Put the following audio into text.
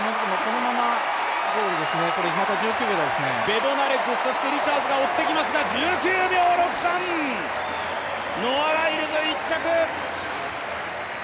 ベドナレク、リチャーズが追っていきますが、１９秒６３、ノア・ライルズ１着。